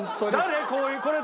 こういうこれ誰？